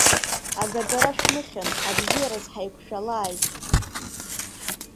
Агаӡара шәмыхьын, абзиараз ҳаиқәшәалааит.